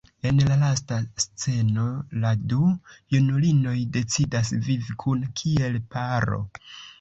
En la lasta sceno la du junulinoj decidas vivi kune kiel paro.